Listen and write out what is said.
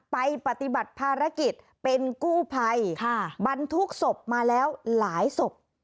ปฏิบัติภารกิจเป็นกู้ภัยบรรทุกศพมาแล้วหลายศพ